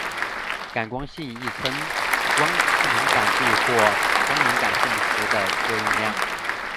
感光性亦称光敏感度或光敏性时的作用量。